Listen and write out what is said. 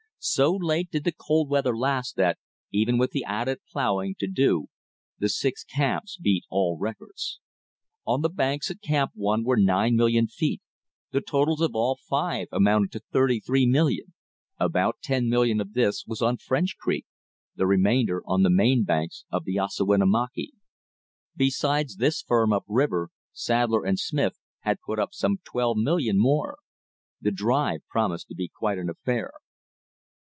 So late did the cold weather last that, even with the added plowing to do, the six camps beat all records. On the banks at Camp One were nine million feet; the totals of all five amounted to thirty three million. About ten million of this was on French Creek; the remainder on the main banks of the Ossawinamakee. Besides this the firm up river, Sadler & Smith, had put up some twelve million more. The drive promised to be quite an affair.